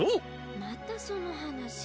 またそのはなし。